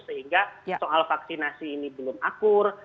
sehingga soal vaksinasi ini belum akur